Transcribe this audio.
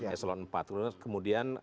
eselon empat kemudian